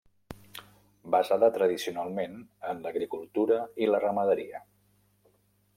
Basada tradicionalment en l'agricultura i la ramaderia.